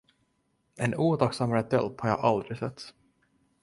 En otacksammare tölp har jag aldrig sett.